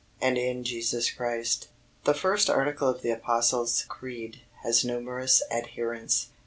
AND IN JESUS CHRIST The first article of the Apostles' Creed has numerous adherents.